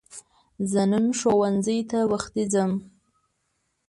زه نن ښوونځی ته وختی ځم